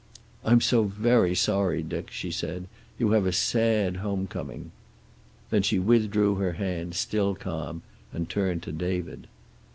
"I'm so very sorry, Dick," she said. "You have a sad home coming." Then she withdrew her hand, still calm, and turned to David.